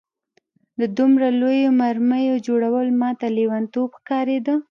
د دومره لویو مرمیو جوړول ماته لېونتوب ښکارېده